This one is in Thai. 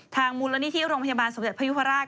ทางบุรณิธิโรงพยาบาลสมเด็จพระยุพระราช